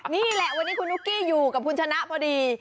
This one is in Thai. นี่แหละวันนี้คุณนุ๊กกี้อยู่กับคุณชนะพอดี